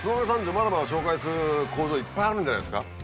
まだまだ紹介する工場いっぱいあるんじゃないですか。